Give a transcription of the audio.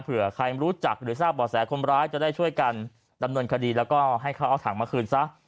เผื่อใครรู้จักหรือทราบบ่อแสคนร้ายจะได้ช่วยกันดำเนินคดีแล้วก็ให้เขาเอาถังมาคืนซะ